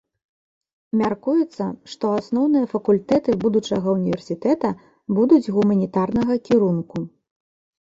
Мяркуецца, што асноўныя факультэты будучага ўніверсітэта будуць гуманітарнага кірунку.